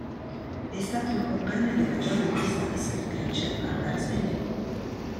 È stato il compagno della giornalista e scrittrice Barbara Spinelli.